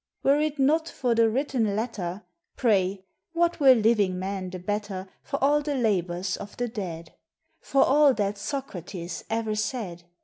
Were it not for the written letter, Pray what were living men the better For all the labours of the dead? For all that Socrates e'er said?